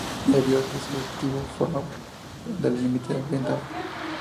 El río Esequibo forma el límite oriental.